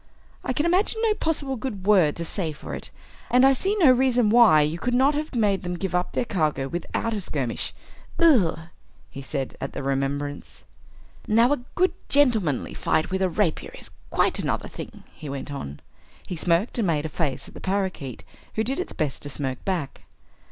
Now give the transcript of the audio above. I can imagine no possible good word to say for it. And I see no reason why you could not have made them give up their cargo without a skirmish. Ugh!" he said, at the remembrance. "Now, a good gentlemanly fight with a rapier is quite another thing," he went on. He smirked and made a face at the parakeet who did its best to smirk back.